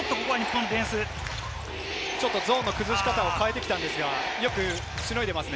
ゾーンの崩し方を変えてきましたが、よくしのいでいます。